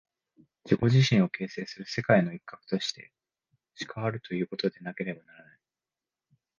自己自身を形成する世界の一角としてしかあるということでなければならない。